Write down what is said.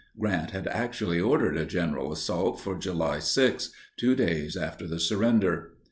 (Grant had actually ordered a general assault for July 6, 2 days after the surrender.)